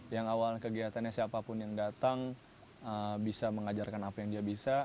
yang awal kegiatannya siapapun yang datang bisa mengajarkan apa yang dia bisa